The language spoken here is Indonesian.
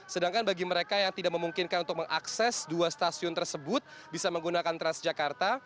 sedangkan bagi mereka yang tidak memungkinkan untuk mengakses dua stasiun tersebut bisa menggunakan transjakarta